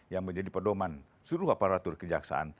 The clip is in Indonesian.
yang menjadi pedoman seluruh aparatur kejaksaan